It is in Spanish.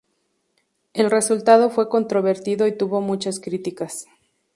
El resultado fue controvertido y tuvo muchas críticas.